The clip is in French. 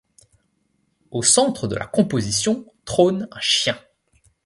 Au centre de la composition trône un chien.